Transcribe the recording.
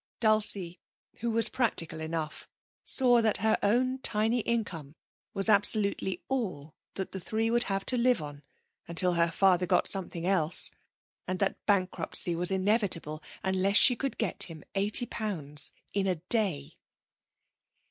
Dulcie, who was practical enough, saw that her own tiny income was absolutely all that the three would have to live on until her father got something else, and that bankruptcy was inevitable unless she could get him eighty pounds in a day.